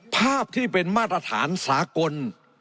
ภาพที่เป็นมาตรฐานสากล